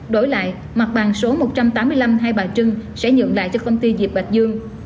đổi lại mặt bằng số một trăm tám mươi năm hai bà trưng sẽ nhượng lại cho công ty diệp bạch dương